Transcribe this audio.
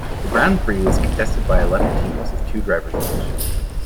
The Grand Prix was contested by eleven teams with two drivers each.